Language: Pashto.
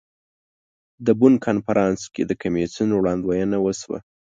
د بن کنفرانس کې د کمیسیون وړاندوینه وشوه.